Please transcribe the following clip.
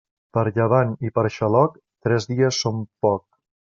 Per llevant i per xaloc, tres dies són poc.